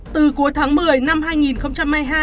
từ cuối tháng một mươi năm hai nghìn hai mươi hai